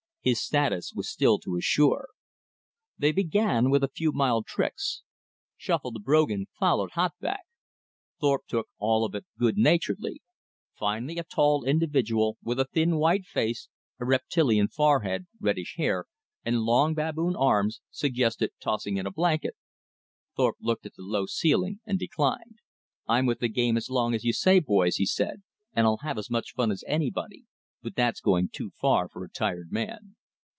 His status was still to assure. They began with a few mild tricks. Shuffle the Brogan followed Hot Back. Thorpe took all of it good naturedly. Finally a tall individual with a thin white face, a reptilian forehead, reddish hair, and long baboon arms, suggested tossing in a blanket. Thorpe looked at the low ceiling, and declined. "I'm with the game as long as you say, boys," said he, "and I'll have as much fun as anybody, but that's going too far for a tired man."